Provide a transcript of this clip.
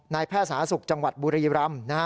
นายแพทย์สหาสุขจังหวัดบุรีรัมน์